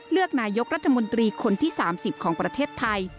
เลือกนายกรัฐมนตรีคนที่๓๐ของประเทศไทย